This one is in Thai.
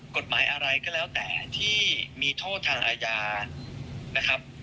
กฎหมายอะไรก็แล้วแต่ที่มีโทษทางอาญานะครับ